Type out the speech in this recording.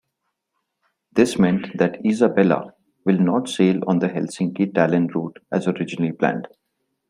This meant that "Isabella" will not sail on the Helsinki–Tallinn route as originally planned.